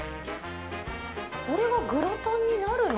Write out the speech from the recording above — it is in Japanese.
これがグラタンになるの？